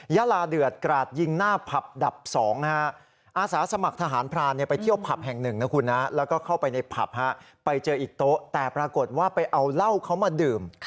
ยาลาเดือดกราดยิงหน้าผับดับ๒อาสาสมัครทหารพรานไปเที่ยวผับแห่งหนึ่งนะคุณนะแล้วก็เข้าไปในผับไปเจออีกโต๊ะแต่ปรากฏว่าไปเอาเหล้าเขามาดื่ม